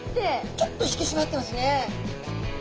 きゅっと引き締まってますね。